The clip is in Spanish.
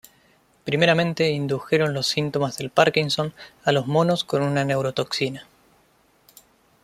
Primeramente indujeron los síntomas del Parkinson a los monos con una neurotoxina.